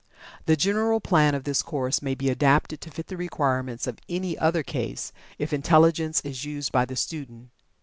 The general plan of this course may be adapted to fit the requirements of any other case, if intelligence is used by the student.